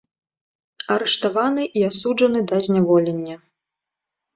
Арыштаваны і асуджаны да зняволення.